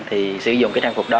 thì sử dụng cái trang phục đó